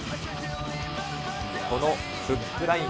このフックライン。